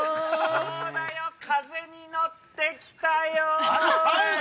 ◆そうだよう、◆風に乗ってきたよ。